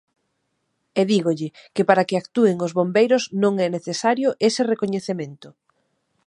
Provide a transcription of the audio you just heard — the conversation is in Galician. E dígolle que para que actúen os bombeiros non é necesario ese recoñecemento.